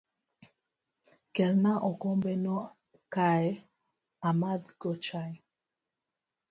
Kelna okombe no kae amadh go chai